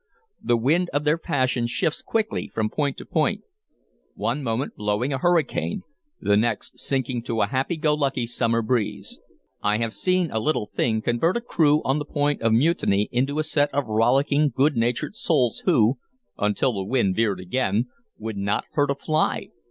The wind of their passion shifts quickly from point to point, one moment blowing a hurricane, the next sinking to a happy go lucky summer breeze. I have seen a little thing convert a crew on the point of mutiny into a set of rollicking, good natured souls who until the wind veered again would not hurt a fly.